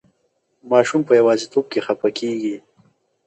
ماشوم په یوازې توب کې خفه کېږي.